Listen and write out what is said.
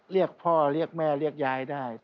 เรียกพ่อเรียกแม่เรียกยายได้